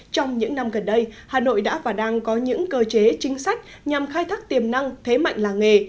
trong những năm gần đây hà nội đã và đang có những cơ chế chính sách nhằm khai thác tiềm năng thế mạnh làng nghề